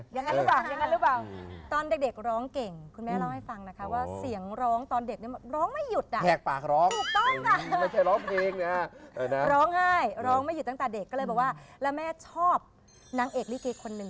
เยี่ยมมากใช่ไหมก็ตอนเด็กร้องเก่งคุณแม่เล่าให้ฟังนะคะเปล่า